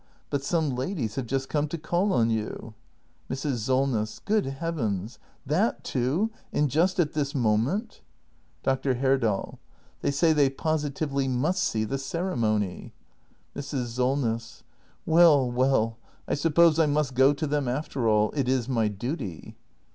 But some ladies have just come to call on you Mrs. Solness. Good heavens, that too ! And just at this moment ! Dr. Herdal. They say they positively must see the ceremony. act in] THE MASTER BUILDER 419 Mrs. Solness. Well, well, I suppose I must go to them after all. It is my duty.